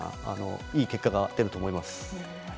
いい結果が出ると思います。